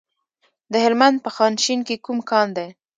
د هلمند په خانشین کې کوم کان دی؟